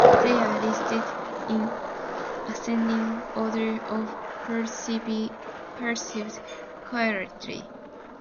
These are listed in ascending order of perceived "quality".